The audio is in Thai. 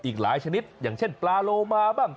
อีกหลายชนิดอย่างเช่นปลาโลมาบ้าง